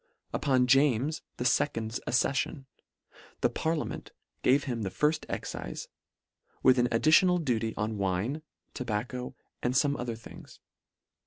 Upon James the fecond's accemon, the parlia ment h gave him the firfl excife, with an ad ditional duty on wine, tobacco, and fome other things.